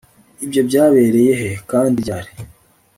ibyo byabereye he kandi ryari